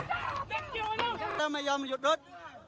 ก็ไม่ยอมหยุดรถ